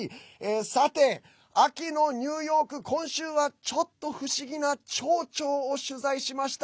さて、秋のニューヨーク今週は、ちょっと不思議なチョウチョウを取材しました。